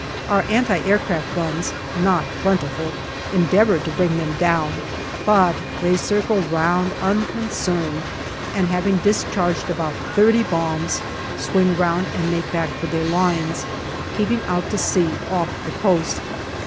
Our anti aircraft guns (not plentiful) endeavour to bring them down, but they circle round unconcerned, and having discharged about thirty bombs, swing round and make back for their lines, keeping out to sea off the coast.